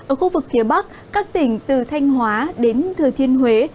ở khu vực phía bắc các tỉnh từ thanh hóa đến thừa thiên huế